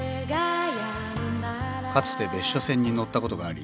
かつて別所線に乗ったことがあり